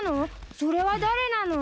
それは誰なの？